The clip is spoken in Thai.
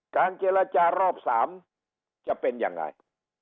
เจรจารอบ๓จะเป็นยังไง